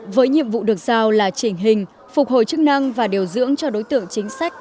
với nhiệm vụ được giao là chỉnh hình phục hồi chức năng và điều dưỡng cho đối tượng chính sách